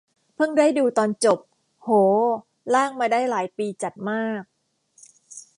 เพิ่งได้ดูตอนจบ โห ลากมาได้หลายปีจัดมาก